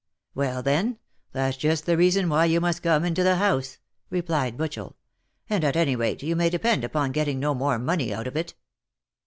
" Well then, that's just the reason why you must come into the house," replied Butchel ;" and, at any rate, you may depend upon getting no more money out of it."